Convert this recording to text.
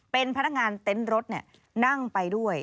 เป็นพนักงานเต็นต์รถนั่งไปด้วย